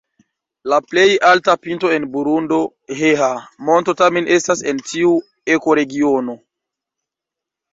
La plej alta pinto en Burundo, Heha-Monto tamen estas en tiu ekoregiono.